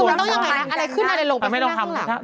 คือมันต้องยังไงนะอะไรขึ้นอะไรลงไปข้างหลัง